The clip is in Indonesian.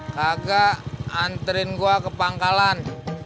kagak anterin gua ke pangkalan